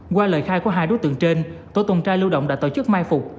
qua lời khai của hai đối tượng trên tổ tuần tra lưu động đã tổ chức mai phục